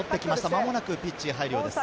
まもなくピッチに入るようです。